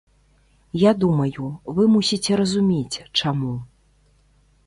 Я думаю, вы мусіце разумець, чаму.